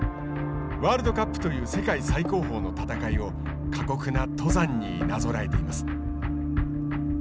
ワールドカップという世界最高峰の戦いを過酷な登山になぞらえています。